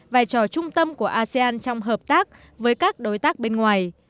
vai trò trung tâm của asean trong hợp tác với các đối tác bên ngoài